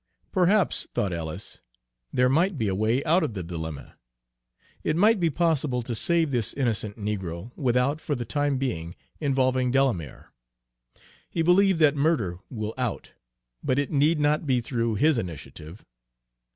Perhaps, thought Ellis, there might be a way out of the dilemma. It might be possible to save this innocent negro without, for the time being, involving Delamere. He believed that murder will out, but it need not be through his initiative.